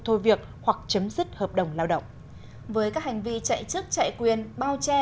thôi việc hoặc chấm dứt hợp đồng lao động với các hành vi chạy chức chạy quyền bao che